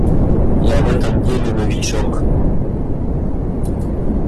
Я в этом деле новичок.